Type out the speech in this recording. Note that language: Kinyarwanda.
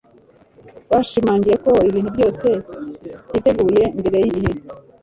Bashimangiye ko ibintu byose byiteguye mbere yigihe